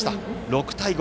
６対５。